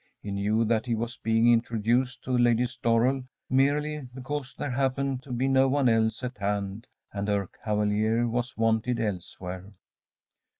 He knew that he was being introduced to Lady Storrel merely because there happened to be no one else at hand and her cavalier was wanted elsewhere.